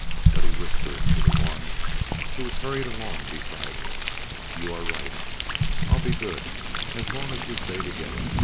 But he whispered to the one who was hurried along beside him: "You are right; I'll be good as long as we stay together.